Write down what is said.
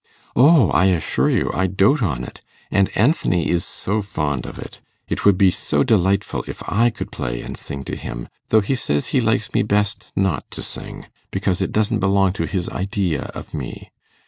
'O, I assure you, I doat on it; and Anthony is so fond of it; it would be so delightful if I could play and sing to him; though he says he likes me best not to sing, because it doesn't belong to his idea of me.